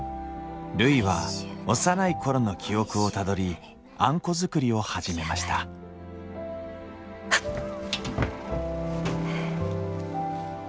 るいは幼い頃の記憶をたどりあんこ作りを始めましたはっ！